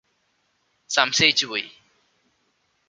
സംശയിച്ചുപ്പോയി